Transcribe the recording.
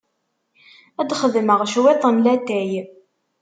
Ad d-xedmeɣ cwiṭ n latay.